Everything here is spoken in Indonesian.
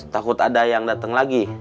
takut ada yang datang lagi